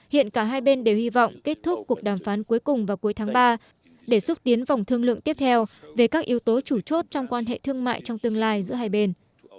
hiện cả hai bên đều hy vọng kết thúc cuộc đàm phán cuối cùng vào cuối tháng ba để xúc tiến vòng thương lượng tiếp theo về các yếu tố chủ chốt trong quan hệ thương mại trong tương lai giữa hai bên